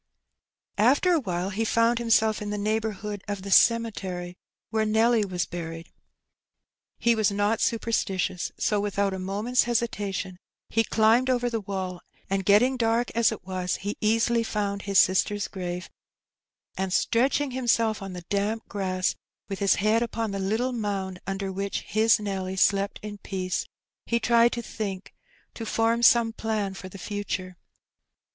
After a while he found himself in the neighbourhood of the cemetery where Nelly was buried. He was not super stitious, so without a moment's hesitation he climbed over the wall, and, getting dark as it was, he easily found his sister's grave; and, stretching himself on the damp grass, with his head upon the little mound under which his Nelly slept in peace, he tried to think — to form some plan for the future.